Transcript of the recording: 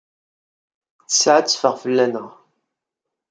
Ttesɛa ad teffeɣ fell-aneɣ.